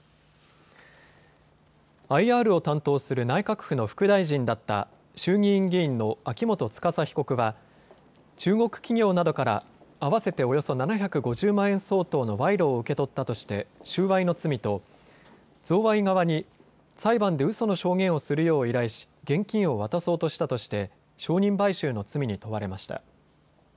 ＩＲを担当する内閣府の副大臣だった衆議院議員の秋元司被告は中国企業などから合わせておよそ７５０万円相当の賄賂を受け取ったとして収賄の罪と贈賄側に裁判でうその証言をするよう依頼し、現金を渡そうとしたとして証人買収の罪に問われました。